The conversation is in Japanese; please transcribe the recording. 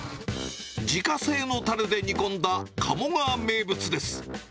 自家製のたれで煮込んだ鴨川名物です。